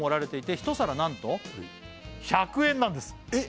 「一皿なんと１００円なんです」えっ？